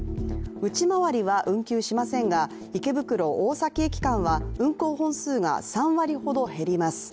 内回りは運休しませんが、池袋−大崎駅間は運行本数が３割ほど減ります。